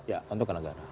ya untuk negara